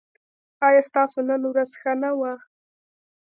ایا ستاسو نن ورځ ښه نه وه؟